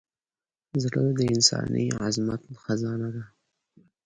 زړه د انساني عظمت خزانه ده.